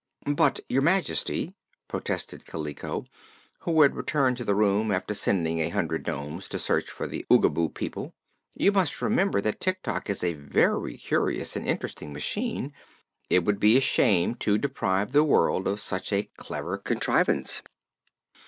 "But, Your Majesty," protested Kaliko, who had returned to the room after sending a hundred nomes to search for the Oogaboo people, "you must remember that Tik Tok is a very curious and interesting machine. It would be a shame to deprive the world of such a clever contrivance."